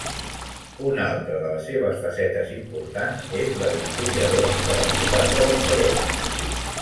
Una altra de les seves facetes importants és la d'historiador de la ciutat de Barcelona.